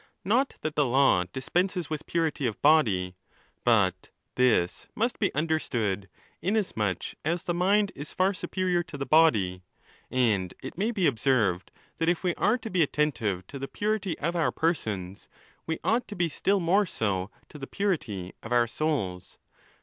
Not that the Jaw dispenses with purity of body; but this must. be understood, inasmuch as the mind is far superior to the body ; and it may be observed, that if we are to be attentive to the purity of our persons, we ought to be still more so to the purity of our souls.